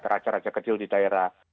raja raja kecil di daerah